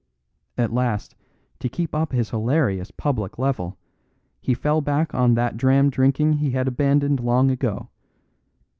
At last, to keep up his hilarious public level, he fell back on that dram drinking he had abandoned long ago.